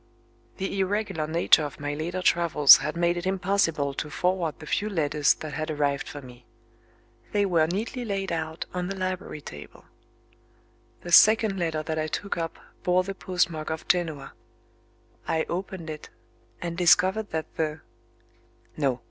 The irregular nature of my later travels had made it impossible to forward the few letters that had arrived for me. They were neatly laid out on the library table. The second letter that I took up bore the postmark of Genoa. I opened it, and discovered that the No!